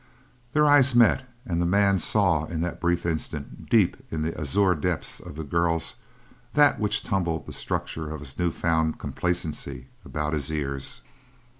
Their eyes met, and the man saw, in that brief instant, deep in the azure depths of the girl's that which tumbled the structure of his new found complacency about his ears.